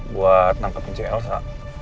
buat nangkepin si elsa